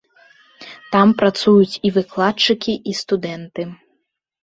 Там працуюць і выкладчыкі, і студэнты.